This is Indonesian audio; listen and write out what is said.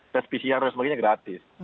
tes pcr dan sebagainya gratis